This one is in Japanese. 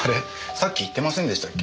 さっき言ってませんでしたっけ？